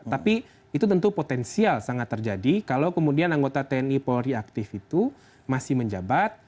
tapi itu tentu potensial sangat terjadi kalau kemudian anggota tni polri aktif itu masih menjabat